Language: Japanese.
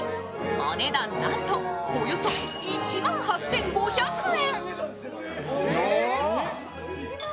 お値段、なんとおよそ１万８５００円。